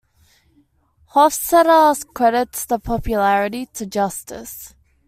Hofstetter credits the popularity to justice.